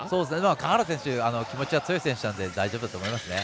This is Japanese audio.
川原選手気持ちが強い選手なので大丈夫だと思いますね。